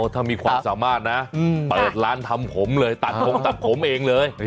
ถ้ามีความสามารถนะเปิดร้านทำผมเลยตัดผมตัดผมเองเลย